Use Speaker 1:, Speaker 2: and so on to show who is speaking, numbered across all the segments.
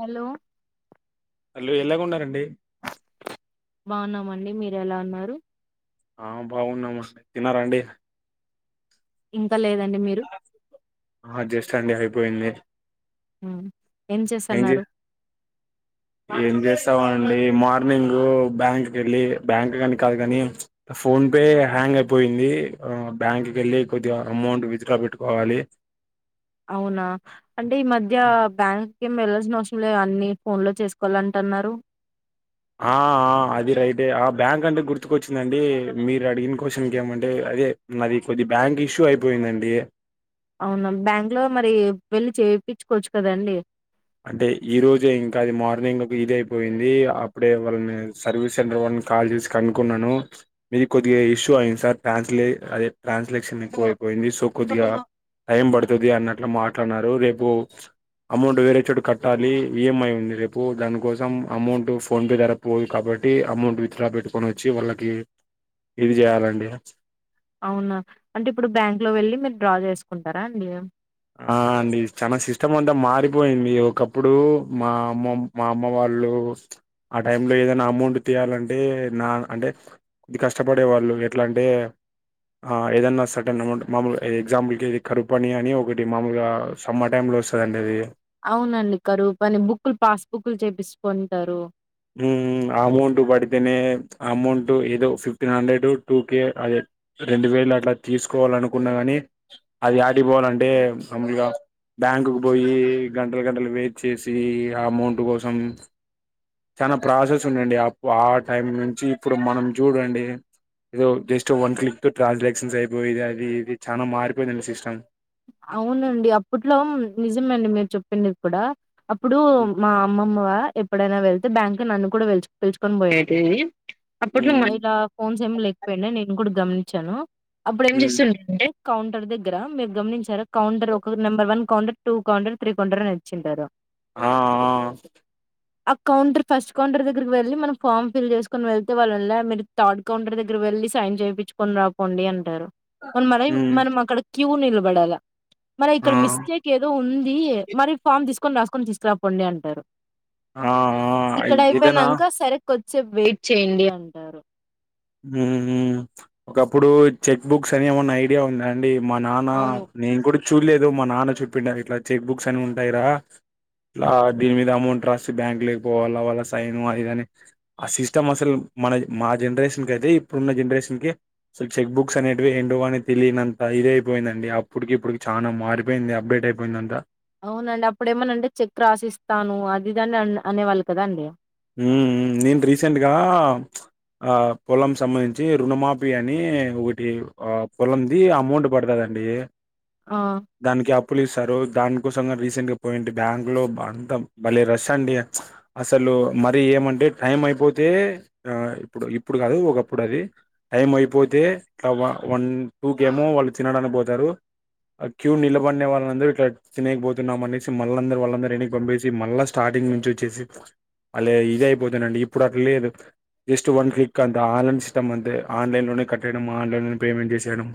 Speaker 1: Hello
Speaker 2: అల్లో ఎలాగ ఉన్నారండి
Speaker 1: బాగున్నామండి మీరు ఎలా ఉన్నారు
Speaker 2: ఆ బాగున్నామ తిన్నారండి
Speaker 1: ఇంకా లేదండి మీరు
Speaker 2: ఆ జ్యేైష్ఠ అండి పోయింది
Speaker 1: హ
Speaker 2: ఏంజ్ ఏం చేస్ చేస్తామండి మార్నింగ్ బ్యాంక్ కి వెళ్ళి బ్యాంక్ కని కాదు కాని ఫోన్ పే హ్యాంగ్ అయిపోయింది బ్యాంక్ కి వెళ్ళి కొద్దిగా అమౌంట్ విత్ డ్రా పెట్టుకోవాలి
Speaker 1: అవునా అంటే ఈ మద్య బ్యాంక్ కేమ్ వెళ్లాల్సినవసంలేదు అన్ని ఫోన్ లో చేసుకోవాలంటన్నారు
Speaker 2: ఆ అది రైట్ ఆ బ్యాంక్ అంటే గుర్తుకొచ్చిందండి మీరు అడిగిన కొశెన్కి ఏమంటే అదే నాది కొద్ది బ్యాంక్ ఇష్యూ అయిపోయిందండి
Speaker 1: అవునా బ్యాంక్ లో మరి వెళ్లి చేపిచ్చుకోవచ్చు కద అండి
Speaker 2: అంటే ఈ రోజే ఇంకా అది మార్నింగ్ ఒక ఇది అయిపోయింది అప్పుడే వాళ్ళని సర్వీస్ సెంటర్ వాళ్ళని కాల్ చేసి కనుకున్నాను మీది కొద్దిగా ఇష్యూ అయింది సార్ టాన్స్లే అదే ట్రాన్స్లేక్షన్ ఎక్కువయిపోయింది సో కొద్దిగా టైం పడుతది అన్నట్లు మాట్లాడన్నారు రేపు అమౌంట్ వేెరె చ్చడు కట్టాలి ఈఎంఐ ఉంది రేపు దానికోసం అమౌంట్ ఫోన్పే ద్వారా పోదు కాబట్టి అమౌంట్ విత్ డ్రా పెట్టుకొని వచ్చి వాళ్ళకి ఇది ఇయ్యాలండి
Speaker 1: అవునా అంటే ఇప్పుడు బ్యాంక్ లో వెళ్ళి మీరు డ్రా చేసుకుంటారా అండి
Speaker 2: ఆ అండి చాలా సిస్టమ్ అంతా మారిపోయింది ఒకప్పుడు మా అమ్మ మా అమ్మ వాళ్ళు ఆ టై లో ఏదైనా అమౌంట్ తీయాలంటే నా అంటే కొద్ది కష్టపడే వాళ్ళు ఎట్లా అంటే ఏదనా సర్టన్ అమౌంట్ మామూలు ఎగ్జాంపుల్కి కరు పని అని ఒకటి మాముూలుగా సమ్మర్ టైమ్ లో వస్తుందండి అది
Speaker 1: అవునండి కరువు పని బుక్లు పాస్ బుక్లు చేపింస్కొంటారు
Speaker 2: మ్ అమౌంట్ పడితేనే అమౌంట్ ఏదో ఫిఫ్టీన్ హండ్రెడ్ టూకే అదే రెండు వేలు అట్లా తీసుకోవాలి అనుకున్నా కాని అది ఆడికి పోవాలంటే మాములుగా బ్యాంకు కు పోయి గంటలు గంటలు వెయిట్ చేసి ఆ అమౌంట్ కోసం చానా ప్రాసెస్ ఉండె అండి ఆ టైం నుంచి ఇప్పుడు మనం చూడండి ఏదో జస్ట్ వన్ క్లిక్ తో ట్రాన్సాక్షన్స్ అయిపోయెది అది ఇది చానా మారిపోయిందండి సిస్టమ్
Speaker 1: అవునండి అప్పట్లో నిజమే అండి మీరు చెప్పింది కూడా అప్పుడు
Speaker 2: హ్మ్,
Speaker 1: మా అమ్మమ్మ ఎప్పుడైనా వెళ్తే బ్యాంక్ నన్ను కూడా వెల్చ్ పిలుచుకొని పోయెటిది అప్పట్లో
Speaker 2: హ్మ్,
Speaker 1: ఇలా ఫోన్స్ ఏమి లేకపోయిండే నేను కూడా గమనించాను అప్పుడు ఏం
Speaker 2: హ్మ్.
Speaker 1: చేస్తుండే అంటే కౌంటర్ దగ్గర మీరు గమనించా ర కౌంటర్ ఒక number one counter two counter three counter అని ఇచ్చింటారు
Speaker 2: అ ఆ ఆ
Speaker 1: ఆ కౌంటర్ ఫస్ట్ కౌంటర్ దగ్గరకి వెళ్ళి మనం ఫామ్ ఫిల్ చేసుకొని వెళ్తే వాళ్లు అల్ల మీరు థర్డ్ కౌంటర్ దగ్గర వెళ్లి సైన్ చేపిచ్కొని రాపోండి అంటారు మన్ మన
Speaker 2: హ్మ్,
Speaker 1: మనం అక్కడ క్యూ నిలబడాల మరి
Speaker 2: ఆ
Speaker 1: ఇక్కడ మిస్టేక్ ఏదో ఉం ది మరి ఫామ్ తీసుకొని రాసుకొని తీసుకురాపోండి అంటారు
Speaker 2: ఆ
Speaker 1: ఇక్కడ
Speaker 2: ఇదేనా
Speaker 1: అయిపోయినంక సరే కొద్ది సేపు వెయిట్ చేయండి అంటారు
Speaker 2: మ్ మ్ ఒకప్పుడు చెక్ బుక్స్ అని ఏమన్నా ఐడియా ఉందా అండి మా నాన్న
Speaker 1: అవును
Speaker 2: నేను కూడ ఇప్ చూల్లే దు మా నాన్న చెప్పిండు అని ఇట్లా చెక్ బుక్స్ అని ఉంటాయిరా ఆ దీని మీద అమౌంట్ రాసి బ్యాంక్ లేకిపోవాలా వాళ్ళ సైన్ అది ఇది అని ఆ సిస్టమ్ అసలు మనది మా జెన్రేషన్ గదే ఇప్పుడున్న జన్రేషన్ కి సో చెక్ బుక్స్ అనేటివి ఏంటో అని తెలియనంత ఇది అయిపోయిందండి అప్పటికి ఇప్పుడుకి చానా మారిపోయింది అప్డేట్ అయిపోయింది అంత
Speaker 1: అవునండి అప్పుడేమనా అంటే చెక్ రాసిస్తాను అది ఇది అని అనేవాళ్ళు కదా అండి
Speaker 2: మ్ మ్ నేను రీసెంట్గా అ పొలం సంబంధించి రుణమాఫీ అని ఒకటి అ పొలంది అమౌంట్ పడతది అండి
Speaker 1: ఆ!
Speaker 2: దానికి అప్పులు ఇస్తారు దానన్ కోసంగా రీసెంట్ గా పోయింటి బ్యాంక్ లో అంతా భలే రష్ అండి అసలు మరి ఏమంటే టైం అయిపోతే ఇప్పుడు ఇప్పుడు కాదు ఒకప్పుడు అది టైం అయిపోతే ఇట్లా వన్ టూ కేమో వాళ్లు తినడానికి పోతారు క్యూ నిలబడిన వాళ్ళందరూ ఇట్లా తినయకపోతున్నామం అనేసి మళ్ళందరూ వాళ్ళందరూ ఎన్నికి పంపేసి మళ్ళా స్టార్టింగ్ నుంచి వచ్చేసి అలే ఇది అయిపోతేనండి ఇప్పుడు అట్లా లేదు జస్ట్ వన్ క్లిక్ అంతే ఆన్లైన్ సిస్టమ్ అంతే ఆన్లైన్ లోనే కట్టేయడం ఆన్లైన్ లోనే పేమెంట్ చేసేయడం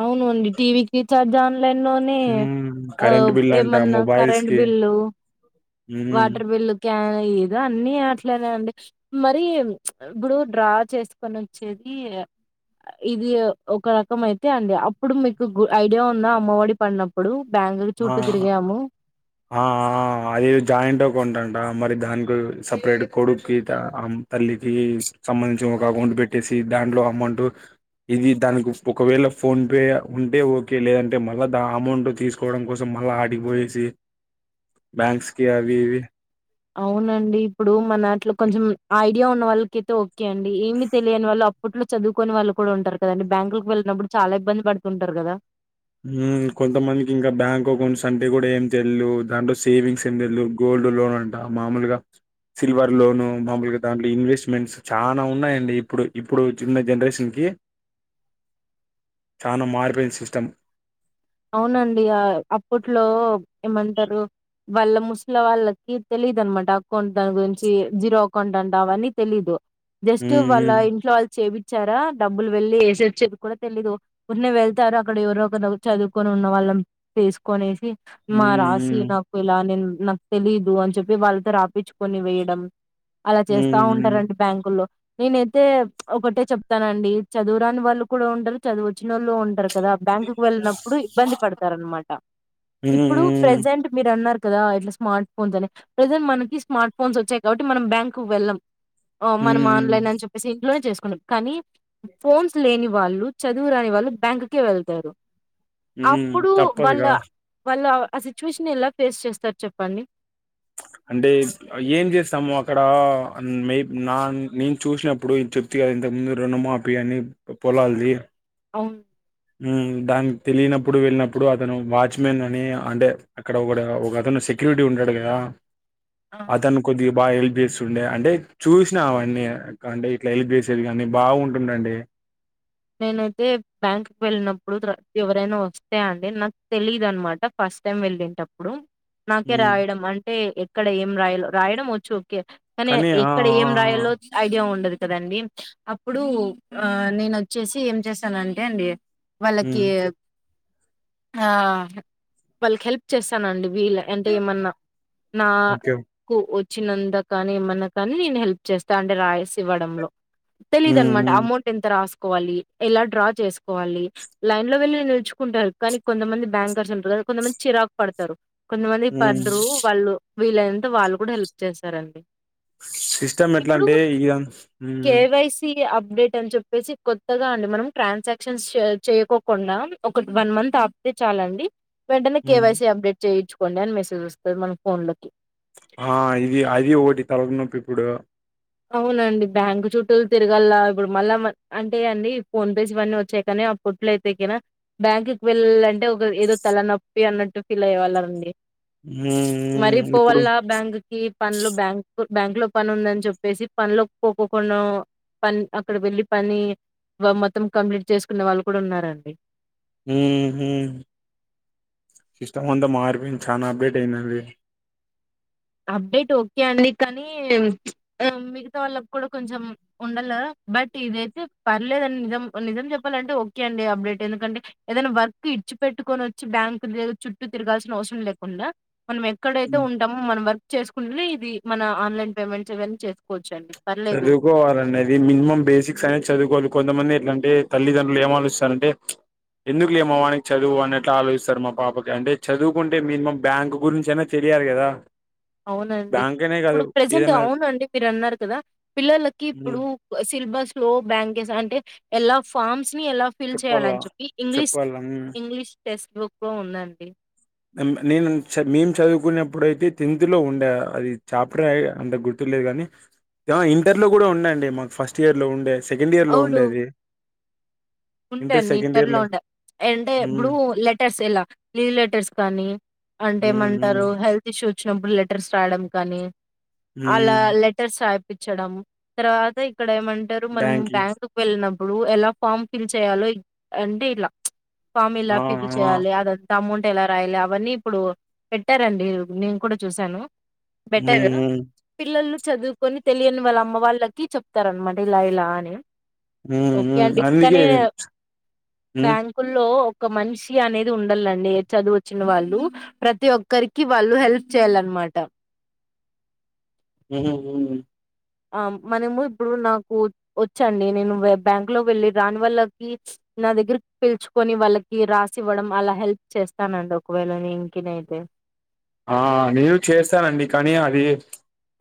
Speaker 1: అవును అండి టీవీకి రీఛార్జ్ ఆన్లైన్ లో నే ఆ
Speaker 2: కరెంట్ బిల్ అంట
Speaker 1: ఏమన్నా
Speaker 2: మొబైల్స్
Speaker 1: కరెంట్
Speaker 2: కి
Speaker 1: బిల్లు
Speaker 2: హ్మ్
Speaker 1: వాటర్ బిల్లు క్యాన్ ఏ దో అన్ని అట్లానే అండి మరి ఇప్పుడు డ్రా చేసుకొనొచ్చేది ఇది ఒక రకం అయి తే అండి అప్పుడు మీకు గు ఐడియా ఉందా అమ్మఒడి పడినప్పుడు బ్యాంకులు
Speaker 2: ఆ
Speaker 1: చుట్టూ తిరిగాము.
Speaker 2: ఆ ఆ ఆ అది జాయింట్ అకౌంట్ అన్ ట మరి దానికి సపరేట్ కొడుకు కి త అ తల్లి కి సంబంధించి ఒక అకౌంట్ పెట్టెసి దాంట్లో అమౌంట్ ఇది దానికి ఒకవేళ ఫోన్ పే వుంటే ఓకే లేదంటే మల్ల దా అమౌంట్ తీసు కోవడం కోసం మళ్ల ఆడికిపోయేసి బ్యాంక్స్ కి అవి ఇవి
Speaker 1: అవునండీ ఇప్పుడు మనాట్లో కొంచెం ఐ ఐడియా ఉన్న వాళ్ళకైతే ఓకే అండి ఏమి తెలియని వాళ్ళు అప్పట్లో చదువుకోని వాళ్ళు కూడా ఉంటారు కదండి బ్యాంకుకి వెళ్ళినప్పుడు చాలా ఇబ్బంది పడుతుంటారు గదా
Speaker 2: ఊమ్ కొంతమందికి ఇంకా బ్యాంక్ అకౌంట్స్ అంటే కూడా ఏమి తెల్దు దాంట్లో సేవింగ్స్ ఏం తెల్దు గోల్డ్ లోన్ అంట మామూలుగా సిల్వర్ లోను మామూలుగా దాంట్లో ఇన్వెస్ట్మెంట్స్ చాలా ఉన్నాయండి ఇప్పుడు ఇప్పుడు చున్న జనరేషన్కి చానా మారిపోయింది సిస్టమ్
Speaker 1: అవునండి అ అప్పట్లో ఏమంటరు వాళ్ళ ముసల వాళ్ళకి తెలీదు అనమాట అకౌంట్ దాని గురించి జీరో అకౌంట్ అంట అవన్నీ తెలీదు జస్ట్ వాళ్ళ
Speaker 2: హ్మ్.
Speaker 1: ఇంట్లో వాళ్ చేపి చ్చారా డబ్బులు వెళ్లి వేసి వచ్చేది కూడా తెలీదు ఉ క్నే వెళ్తారు అక్కడ ఎవరో ఒకరు చదువుకొని ఉన్న వాళ్ళం తీసుకొనేసి మా రాశి
Speaker 2: హ్మ్.
Speaker 1: నాకు ఇలా నిన్ నాకు తెలీదు అని చెప్పి వాళ్ళతో రాపిచ్చుకొని వేయడం అలా చేస్తా
Speaker 2: హ్మ్. హ్మ్.
Speaker 1: ఉంటారండి బ్యాంకుల్లో నేనైతే ఒకటే చెప్తానండి చదువురాని వాళ్ళు కూడా ఉంటరు చదువో చ్ వచ్చినోళ్లు ఉంటర్ కదా బ్యాంకుకు వెళ్ న ఇబ్బంది పడతారానమాట ఇప్పుడు
Speaker 2: హ్మ్. హ్మ్.
Speaker 1: ప్రెసెంట్ మిర్ అన్నారు కదా ఇట్లా స్మార్ట్ ఫోన్స్ అని ప్రెజెంట్ మనకి స్మార్ట్ ఫోన్స్ వచ్చాయి కాబట్టి మనం బ్యాంక్ కు వెళ్ళమ్ ఓ మనం
Speaker 2: హ్మ్.
Speaker 1: ఆన్లైన్ అని చెప్పేసి ఇంట్లోనే చేస్ కానీ ఫోన్స్ లేని వాళ్ళు చదువు రాని వాళ్ళు బ్యాంక్ కే వెళ్తారు
Speaker 2: హ్మ్.
Speaker 1: అప్పుడు వాళ్ళ
Speaker 2: తప్పదుగా.
Speaker 1: వాళ్ళ ఆ సిచ్యువేషన్ ఎలా ఫేస్ చేస్తారు చెప్పండి
Speaker 2: అంటే ఏం జేసాము అక్కడ మేబ్ నా నేను చూసినప్పుడు చెప్తీ కదా ఇంతకు ముందు రుణమాపి అని పొలాల్ది
Speaker 1: అవును
Speaker 2: ఊమ్ దానికి తెలియనప్పుడు వెళ్ళినప్పుడు అతను వాచ్మెన్ అని అంటే అక్కడ ఒకడ ఒకతను సెక్యూరిటీ ఉంటాడు కదా
Speaker 1: ఆ!
Speaker 2: అతను కొద్ది బా ఏల్ప్స్ వుండే అంటే చూసినా అవన్నీ అంటే ఇట్లా ఎల్ప్ చేసేది కానీ బాగుంటుండే
Speaker 1: నేనైతే బ్యాంక్కి వెళ్ళినప్పుడు ఎవరైనా వస్తే అండి నాకు తెలిదు అనమాట ఫస్ట్ టైం వెళ్లేటప్పుడు నాకే
Speaker 2: హ్మ్.
Speaker 1: రాయడం అంటే మేమిటి టీ ఇక్కడ ఏం రాయలో రాయడం వచ్చు కే కానీ
Speaker 2: ఆ!
Speaker 1: ఎక్కడ
Speaker 2: ఆ!
Speaker 1: ఏం
Speaker 2: ఆ!
Speaker 1: రాయాలో ఐడియా ఉండదు కదండి అప్పుడు ఆ నేనో చ్చసి ఏం చేసనంటే అండి వాళ్ళకి
Speaker 2: హ్మ్.
Speaker 1: ఆ వాళ్ళకి హెల్ప్ చేసనండి వీళ్ళ అంటే ఏమన్నా నా
Speaker 2: ఓకే.
Speaker 1: కు వ చిన్నంద కానీ ఏమన్నా కానీ నేను హెల్ప్ చేస్తా అంటే రాయస్ ఇవ్వడంలో తెలిద
Speaker 2: హ్మ్.
Speaker 1: అనమాట
Speaker 2: హ్మ్.
Speaker 1: అమౌంట్ ఎంత రాస్ వాలి ఎలా డ్రా చేసుకోవాలి లైన్ లో వెళ్ళి నిలుచుకుంటారు కానీ కొంతమంది బ్యాంకర్స్ ఉంటారు కొంతమంది చిరాకు పడతారు కొంచమంది
Speaker 2: ఉమ్
Speaker 1: పడ్రు వాళ్ళు లు వీళ్ళంత వాళ్ళు కూడా హెల్ప్ చేస్తారండి
Speaker 2: సిస్టమ్ ఎట్లా
Speaker 1: ఇప్పుడు
Speaker 2: అంటే ఇద
Speaker 1: కేవైసి అప్డేట్ అని చెప్పేసి కొత్తగా అండి మనం ట్రాన్సాక్షన్స్ చేయకోకుండా ఒక వన్ మంత్ ఆపితే చాలండి వెంటనే
Speaker 2: ఉమ్
Speaker 1: కేవైసీ అప్డేట్ చేయయిొుచు కొండ అని మెసేజ్ వస్తారు మన ఫోన్ లోకి
Speaker 2: ఆ ఇది అది ఒకటి తలగ నొప్పి ఇప్పుడు
Speaker 1: అవునండి బ్యాంకు చుట్టూలు తిరగల ఇప్పుడు మళ్ళా అంటే అండి ఫోన్ పేస్ ఇవన్నీ వచ్చాయి కానీ అప్పట్లో అయితే కనా బ్యాంకుకి వెళ్ళాలంటే ఒక ఏదో తలనొప్పి అన్నట్టు ఫీల్ అయ్య వాళ్ళండి
Speaker 2: హ ఇప్పుడు ఉయమ్
Speaker 1: పను లో బ్యాంక్ బ్యాంక్ లో పని ఉందని చెప్ చెప్పేసి పనిలో పోకోకుండా పని అక్కడ వెళ్ళి పని మొత్తం కంప్లీట్ చేసుకున్న వాళ్ళు కూడా ఉన్నారండి
Speaker 2: సిస్టమ్ అంతా మార్పి చా అప్డేట్ అయిందది
Speaker 1: అప్డేట్ ఓకే అండి కానీ మిగతా వాళ్ళకి కూడా కొంచెం ఉండాల బట్ ఇదయితే పర్లేదని నిజం నిజం చెప్పాలంటే ఓకే అండి అప్డేట్ ఎందుకంటే ఏదైనా వర్క్ కని ఇడ్చ్చి పెట్టుకొని వచ్చి బ్యాంక్ చుట్టూ తిరగాల్సిన అవసరం లేకుండా మనం ఎక్కడైతే ఉంటామో మనం వరకు చేసుకుంటే ఇది మన ఆన్లైన్ లెన్న్పేమెంట్స్ ఏవన్న చేసుకోవచ్చు అండి పర్లేదు
Speaker 2: చదువుకోవాలంది మినిమం బేసిక్స్ అనేది చదువుకోవాలి కొంతమంది ఎందుకంటే తల్లిదండ్రులు ఏం ఆలోచిస్తార అంటే ఎందుకు లేమ వానికి చదువు అన్నట్లా ఆలోచిస్తారు మా పాపకి అంటే చదువుకుంటే మినిమం బ్యాంక్ గురించి అయినా తెలియాలి కదా
Speaker 1: అవునండి
Speaker 2: బ్యాంక్ అనే కాదు
Speaker 1: ఇప్పుడు ప్రజెంట్
Speaker 2: ఏదైనా
Speaker 1: అవునండి మీరు అన్నారు కదా పిల్లలకి ఇప్పుడు
Speaker 2: ఉమ్
Speaker 1: సిలబస్ స్లో బ్యాంకెస్ అంటే ఎలా ఫామ్స్ ఎలా ఫీల్
Speaker 2: చెప్పాల
Speaker 1: చేయాలని చెప్పి ఇంగ్లీష్
Speaker 2: చెప్పాల ఉమ్
Speaker 1: ఇంగ్లీష్ టెస్క్ బుక్ ఉందండి
Speaker 2: మెము నేను మేము చదువుకున్నప్పుడుయితే టెన్త్ లో ఉండే అది చాప్టర్ అంత గుర్తులేదు కానీ ఇంటర్ లో కూడా ఉండేండి మాకు ఫస్ట్ ఇయర్ లో ఉండే సెకండ్ ఇయర్ లో ఉండేది
Speaker 1: ఉండే అండి ఇంటర్ లో ఉండే అంటే
Speaker 2: హ్మ్.
Speaker 1: ఇప్పుడు లెటర్స్ ఎలా లీవ్ లెటర్స్ కానీ అంటే
Speaker 2: హ్మ్.
Speaker 1: ఏమంటారు
Speaker 2: హ్మ్.
Speaker 1: హెల్త్ ఇషు చూచి వచ్చినప్పుడు లెటర్స్ రాయడం కానీ అలా
Speaker 2: హ్మ్.
Speaker 1: లెటర్స్ రా ఇచ్చడం తర్వాత ఇక్కడ ఏమంటారు మనము
Speaker 2: బ్యాంకింగ్.
Speaker 1: బ్యాంక్ వెళ్ళిన ఇప్పుడు ఎలా ఫమ్ ఫిల్ చేయాలో అంటే ఇట్లా ఫామ్ ఎలా
Speaker 2: ఆ!
Speaker 1: ఫిల్
Speaker 2: ఆ!
Speaker 1: చేయాలి అదంతా అమౌంట్ ఎలా రాయాలి అవన్నీ ఇప్పుడు పెట్టారండి నేను కూడా చూసాను
Speaker 2: హ్మ్.
Speaker 1: బెటర్
Speaker 2: హ్మ్.
Speaker 1: పిల్లలు చదువుకొని తెలియని వాళ్ళ అమ్మ వాళ్ళకి చెప్తారన్నమాట ఇలా ఇలా అని
Speaker 2: ఊ ఊ
Speaker 1: ఓకే అండి.
Speaker 2: అన్ని
Speaker 1: కానీ బ్యాంకుల్లో ఓ ఒక మనిషి అనేది ఉండాలండి చదువు వచ్చిన వాళ్ళు ప్రతి ఒక్కరికి వాళ్ళు హెల్ప్ చేయాలన్నమాట
Speaker 2: ఉహు ఊ
Speaker 1: ఆ మనము ఇప్పుడు నాకు వచ్చండి నేను బ్యాంక్ లో వెళ్ళి రాని వాళ్ళకి నా దగ్గర పిలుచుకొని వాళ్ళకి రాసి ఇవ్వడం అలా హెల్ప్ చేస్తానండి ఒకవేళ నేను ఇంకెన్ అయితే
Speaker 2: ఆ నేను చేస్తానండి కానీ అది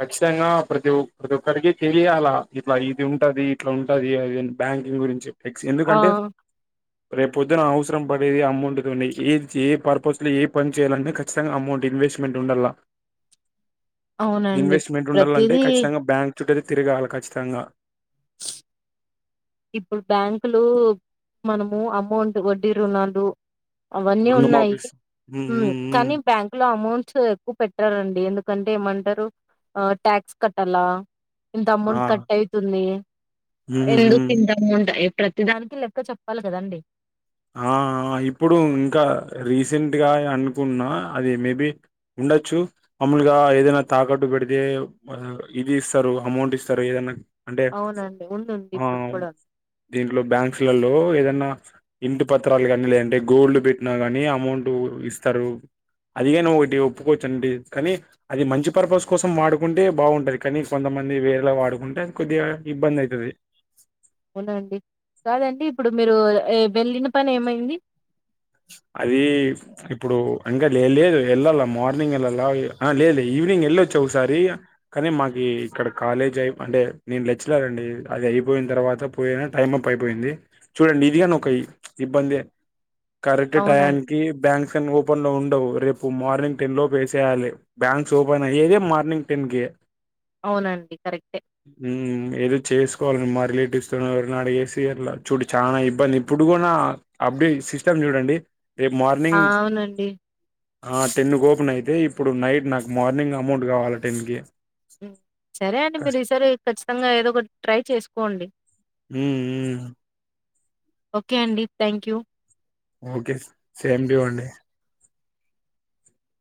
Speaker 2: ఖచ్చితంగా ప్రతి ప్రతి ఒక్కరికి తెలియాల ఇట్లా ఇది ఉంటది ఇట్లా ఉంటది అది బ్యాంకింగ్ గురించి ఫిక్స్
Speaker 1: ఆ
Speaker 2: ఎందుకంటే రేపు పొద్దున అవసరం పడేది అమౌంట్ తోనే ఏ ఏ పర్పస్ లో ఏ పని చేయాల అన్న ఖచ్చితంగా అమౌంట్ ఇన్వెస్ట్మెంట్ ఉండల్లా
Speaker 1: అవునండి
Speaker 2: ఇన్వెస్ట్మెంట్ ఉండాలంటే
Speaker 1: ప్రతిదీ
Speaker 2: ఖచ్చితంగా బ్యాంక్ చుట్టూరి తిరగాల కచ్చితంగా
Speaker 1: ఇప్పుడు బ్యాంకులు మనము అమౌంట్ వడ్డీ రుణాలు అవన్నీ ఉన్నాయి
Speaker 2: రుణమాఫీస్ హ్మ్
Speaker 1: హు
Speaker 2: హ్మ్ హ్మ్
Speaker 1: కానీ బ్యాంక్ లో అమౌంట్ సో ఎక్కువ పెట్టారండి ఎందుకంటే ఏమంటారు ఆ ట్యాక్స్ కట్టాల ఇంత అమౌంట్ కట్ అయితుంది
Speaker 2: ఉహు ఉ
Speaker 1: ఎందుకు ఇంత అమౌంట్ ఏప్ ప్రతి దానికి లెక్క చెప్పాలి కదండీ
Speaker 2: ఆ ఆ ఇప్పుడు ఇంకా రీసెంట్గా అనుకున్నా అది మేబి ఉండొచ్చు మాములుగా ఏదైనా తాకట్టు పెడితే ఇది ఇస్తారు అమౌంట్ ఇస్తారు ఏదైనా అంటే
Speaker 1: అవునండి. ఉందండి
Speaker 2: ఆ
Speaker 1: ఇప్పుడు కూడా.
Speaker 2: దీంట్లో బ్యాంక్స్లల్లో ఏదన్నా ఆ ఇంటి పత్రాలు కాని లేదంటే గోల్డ్ పెట్టినా కాని అమౌంట్ ఇస్తారు అదిగాని ఒకటి ఒప్పుకోవచ్చు అండి కానీ అది మంచి పర్పస్ కోసం వాడుకుంటే బాగుంటది కానీ కొంతమంది వేరేలా వాడుకుంటే అది కొద్దిగా ఇబ్బంది అయితది
Speaker 1: అవునా అండి కాదండి ఇప్పుడు మీరు వెళ్లిన పని ఏమైంది
Speaker 2: అది ఇప్పుడు ఇంకా లే లే వెళ్లాలా మార్నింగ్ వెళ్ళాలా ఆ లేదులే ఈవినింగ్ వెళ్ళొచ్చ ఒకసారి కానీ మాకి ఇక్కడ కాలేజ్ అయి అంటే నేను లెక్చరర్ అండి అది అయిపోయిన తర్వాత పోయినా టైం అప్ అయిపోయింది చూడండి ఇది కాని ఒక ఇబ్బందే కరెక్ట్
Speaker 1: అవునండి.
Speaker 2: టయానికి బ్యాంక్స్ అన్ని ఓపెన్ లో ఉ ఉండవు రేపు మార్నింగ్ టెన్ లోపు వేసేయాలి బ్యాంక్స్ ఓపెన్ అయ్యేది మార్నింగ్ టెన్ కి
Speaker 1: అవునండి. కరెక్టే.
Speaker 2: ఉ ఏదో చేసు కోవాలి మా రిలేటివ్స్ తో ఎవరిని అన్న అడిగేసి అట్లా చూడు చాలా ఇబ్బంది ఇప్పుడు కూడా అప్పుడే సిస్ చూడండి
Speaker 1: ఆవునండి
Speaker 2: ఆ టెన్ ఓపెన్ అయితే ఇప్పుడు నైట్ నాకు మార్నింగ్ అమౌంట్ కావాలా టెన్ కి
Speaker 1: ఉ సరే అండి మీరు
Speaker 2: కస్
Speaker 1: ఈసారి ఖచ్చితంగా ఏదో ఒకటి ట్రై చేసుకోండి
Speaker 2: ఉమ్ ఉమ్
Speaker 1: ఓకే అండి thank you
Speaker 2: okay same to you అండి